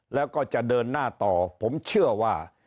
แล้วก็จะเดินหน้าต่อผมเชื่อว่า